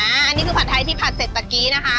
อันนี้คือผัดไทยที่ผัดเสร็จตะกี้นะคะ